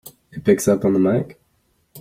It picks up on the mike!